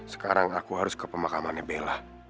sekarang aku harus ke pemakamannya bella